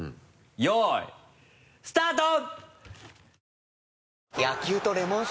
よいスタート！